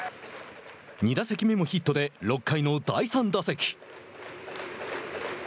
２打席目もヒットで６回の第３打席。